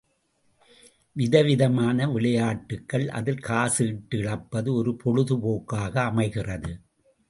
விதவிதமான விளையாட்டுக்கள் அதில் காசு இட்டு இழப்பது ஒரு பொழுதுபோக்காக அமைகிறது.